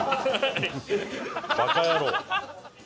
「バカ野郎」。